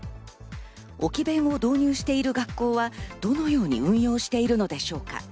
置き勉を導入している学校は、どのように運用しているのでしょうか。